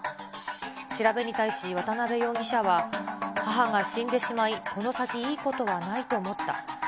調べに対し、渡辺容疑者は、母が死んでしまい、この先いいことはないと思った。